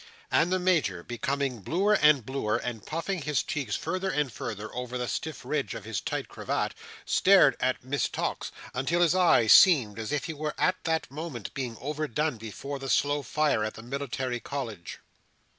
And the Major, becoming bluer and bluer and puffing his cheeks further and further over the stiff ridge of his tight cravat, stared at Miss Tox, until his eyes seemed as if he were at that moment being overdone before the slow fire at the military college.